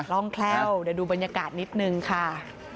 ร่องแคล่วเดี๋ยวดูบรรยากาศนิดนึงค่ะ